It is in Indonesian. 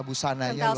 busananya luar biasa